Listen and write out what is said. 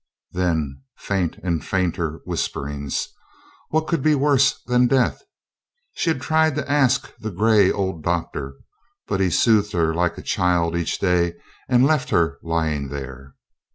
Then faint and fainter whisperings: what could be worse than death? She had tried to ask the grey old doctor, but he soothed her like a child each day and left her lying there.